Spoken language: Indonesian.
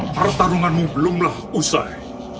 pertarunganmu belumlah usai